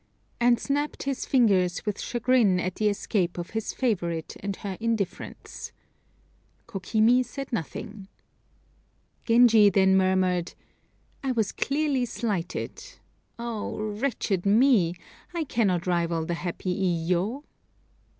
and snapped his fingers with chagrin at the escape of his favorite and her indifference. Kokimi said nothing. Genji then murmured, "I was clearly slighted. Oh wretched me! I cannot rival the happy Iyo!"